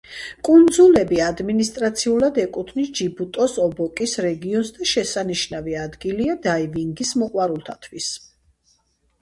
კუნძულები ადმინისტრაციულად ეკუთვნის ჯიბუტის ობოკის რეგიონს და შესანიშნავი ადგილია დაივინგის მოყვარულთათვის.